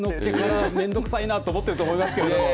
面倒くさいなと思っていると思いますけど。